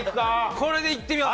これでいってみます！